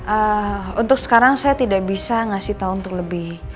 eee untuk sekarang saya tidak bisa ngasih tahu untuk lebih